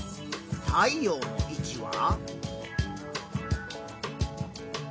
太陽の位置は？